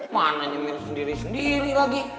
mana nyemir sendiri sendiri lagi